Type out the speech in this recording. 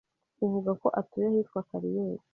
uvuga ko atuye ahitwa Kariyeri